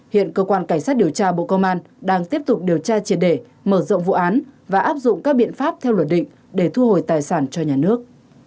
hiện cơ quan cảnh sát điều tra bộ công an đang tiếp tục điều tra triệt để mở rộng vụ án và áp dụng các biện pháp theo luật định để thu hồi tài sản cho nhà nước